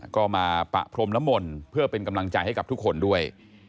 ก็มาปะพรมน้ำมนต์เพื่อเป็นกำลังใจให้กับทุกคนด้วย